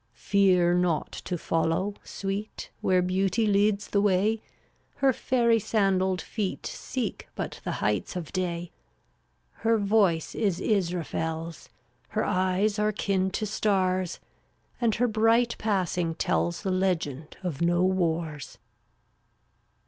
338 Fear not to follow, Sweet, Where Beauty leads the way; Her fairy sandaled feet Seek but the heights of day. Her voice is Israfel's, Her eyes are kin to stars, And her bright passing tells The legend of no wars.